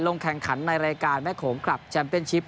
ลงแข่งขันในรายการแม่โขงคลับแชมเป็นชิป